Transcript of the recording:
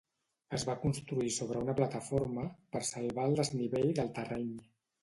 Es va construir sobre una plataforma per salvar el desnivell del terreny.